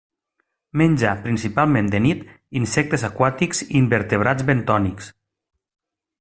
Menja, principalment de nit, insectes aquàtics i invertebrats bentònics.